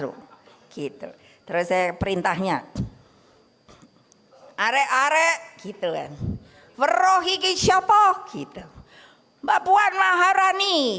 lu gitu terus saya perintahnya arek arek gitu kan berohiki syopo gitu mbak puan maharani